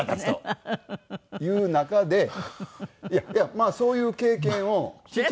まあそういう経験を。